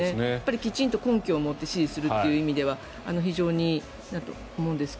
きちんと根拠を持って指示するっという意味ではいいと思うんですが。